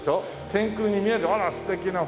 天空に見えるあら素敵なほら。